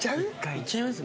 行っちゃいます？